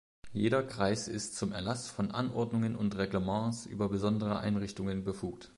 Jeder Kreis ist zum Erlass von Anordnungen und Reglements über besondere Einrichtungen befugt.